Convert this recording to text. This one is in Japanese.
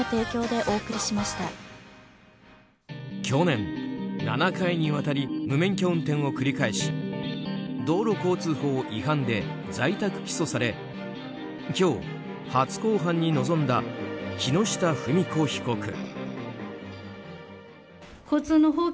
去年、７回にわたり無免許運転を繰り返し道路交通法違反で在宅起訴され今日、初公判に臨んだ木下富美子被告。